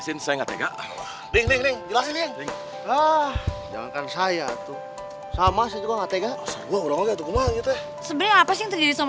sebenernya apa sih yang terjadi sama abah